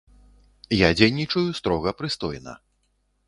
Я дзейнічаю строга прыстойна.